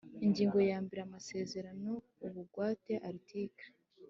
Ingingo ya mbere Amasezerano y ubugwate Article